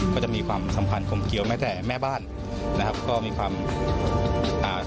ก็จะมีความสัมพันธ์คมเกี่ยวแม้แต่แม่บ้านนะครับก็มีความอ่า